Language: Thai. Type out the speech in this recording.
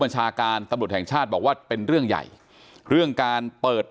ชาการตำรวจแห่งชาติบอกว่าเป็นเรื่องใหญ่เรื่องการเปิด